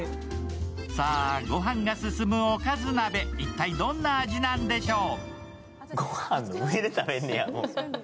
さあ、御飯が進むおかず鍋、一体どんな味なんでしょう？